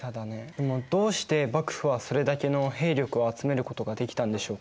でもどうして幕府はそれだけの兵力を集めることができたんでしょうか？